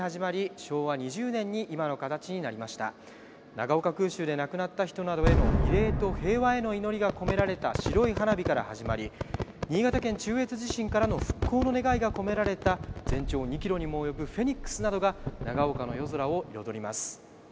長岡空襲で亡くなった人などへの慰霊と平和への祈りが込められた白い花火から始まり新潟県中越地震からの復興の願いが込められた全長２キロにも及ぶフェニックスなどが長岡の夜空を彩ります。